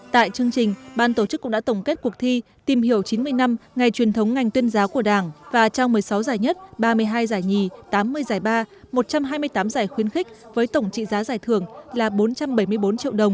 tại chương trình ban tổ chức cũng đã tổng kết cuộc thi tìm hiểu chín mươi năm ngày truyền thống ngành tuyên giáo của đảng và trao một mươi sáu giải nhất ba mươi hai giải nhì tám mươi giải ba một trăm hai mươi tám giải khuyến khích với tổng trị giá giải thưởng là bốn trăm bảy mươi bốn triệu đồng